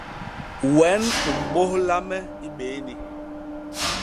Wen u mbôlha me i bééni.